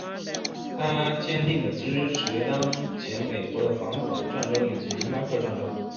他坚定的支持当前美国的反恐战争以及伊拉克战争。